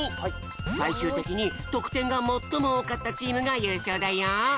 さいしゅうてきにとくてんがもっともおおかったチームがゆうしょうだよ。